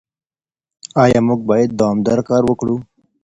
ايا موږ بايد دوامداره کار وکړو؟